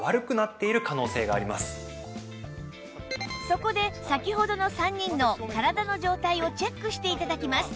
そこで先ほどの３人の体の状態をチェックして頂きます